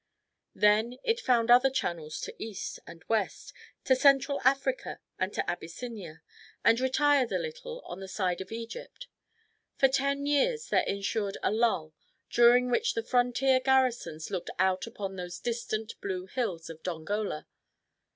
Then it found other channels to east and west, to Central Africa and to Abyssinia, and retired a little on the side of Egypt. For ten years there ensued a lull, during which the frontier garrisons looked out upon those distant blue hills of Dongola.